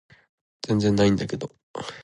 全然ないんだけど